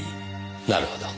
なるほど。